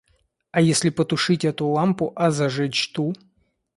А если потушить эту лампу, а зажечь ту?